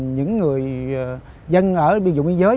những người dân ở biên giới